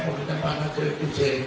dulu saya mengerti pancasila itu syirik